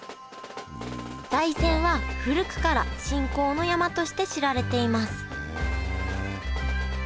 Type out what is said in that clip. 大山は古くから信仰の山として知られていますへえ！